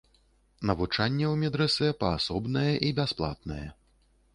Навучанне ў медрэсэ паасобнае і бясплатнае.